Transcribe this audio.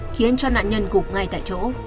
khiến cho nạn nhân gục ngay tại chỗ